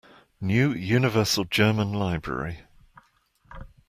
New Universal German Library.